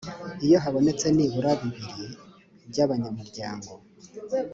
iyo habonetse nibura bibiri byabanyamuryango.